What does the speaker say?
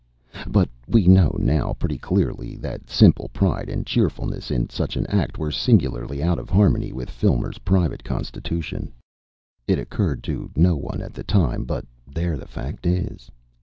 But we know now pretty clearly that simple pride and cheerfulness in such an act were singularly out of harmony with Filmer's private constitution. It occurred to no one at the time, but there the fact is.